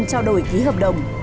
trao đổi ký hợp đồng